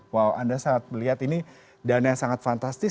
wow anda sangat melihat ini dana yang sangat fantastis